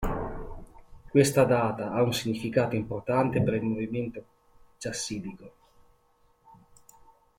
Questa data ha un significato importante per il movimento chassidico.